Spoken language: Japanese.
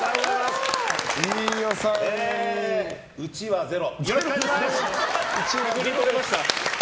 うちわ、ゼロ。